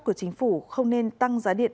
của chính phủ không nên tăng giá điện